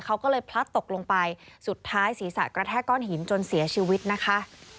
เขาก็เลยพลัดตกลงไปสุดท้ายศีรษะกระแทกก้อนหินจนเสียชีวิตนะคะ